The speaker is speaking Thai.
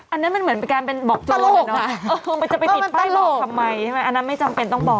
อันนั้นมันเหมือนเป็นการเป็นบอกจุดลงเนอะมันจะไปติดป้ายบอกทำไมใช่ไหมอันนั้นไม่จำเป็นต้องบอก